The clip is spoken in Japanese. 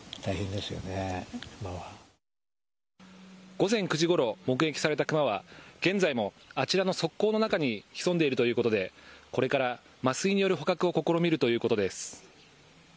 午前９時ごろ目撃されたクマは現在もあちらの側溝の中に潜んでいるということでこれから麻酔による捕獲を試みるということです。